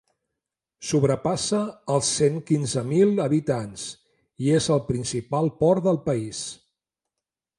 Sobrepassa els cent quinze mil habitants, i és el principal port del país.